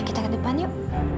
kita ke depan yuk